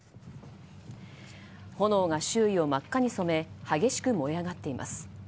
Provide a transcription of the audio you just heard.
炎が周囲を真っ赤に染め激しく燃え上がっています。